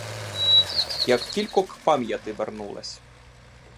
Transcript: Як тілько к пам'яти вернулась